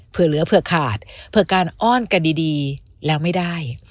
เผื่อเหลือเผื่อขาดเผื่อการอ้อนกันดีแล้วไม่ได้